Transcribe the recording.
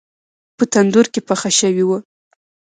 په تندور کې پخه شوې وه.